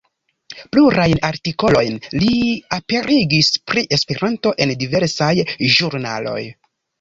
Plurajn artikolojn li aperigis pri Esperanto en diversaj ĵurnaloj.